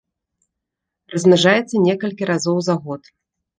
Размнажаецца некалькі разоў за год.